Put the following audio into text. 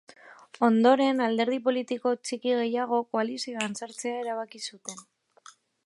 Ondoren, alderdi politiko txiki gehiagok koalizioan sartzea erabaki zuten.